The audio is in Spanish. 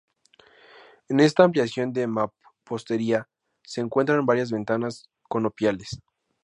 En esta ampliación de mampostería se encuentran varias ventanas conopiales.